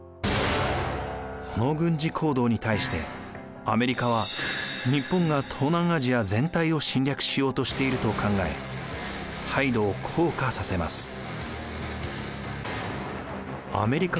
この軍事行動に対してアメリカは日本が東南アジア全体を侵略しようとしていると考え態度を硬化させます。